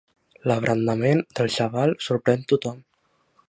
L'abrandament del xaval sorprèn tothom.